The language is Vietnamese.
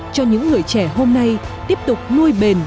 cho những người trẻ hôm nay tiếp tục nuôi bền